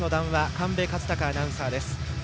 神戸和貴アナウンサーです。